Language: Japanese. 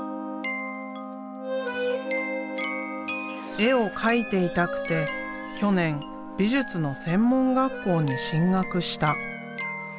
絵を描いていたくて去年美術の専門学校に進学した。